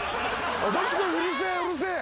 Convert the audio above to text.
うるせえうるせえ。